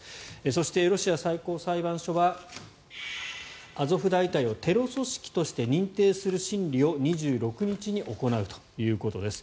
そしてロシア最高裁判所はアゾフ大隊をテロ組織として認定する審理を２６日に行うということです。